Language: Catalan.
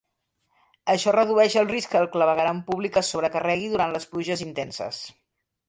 Això redueix el risc que el clavegueram públic es sobrecarregui durant les pluges intenses.